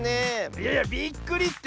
いやいやびっくりって！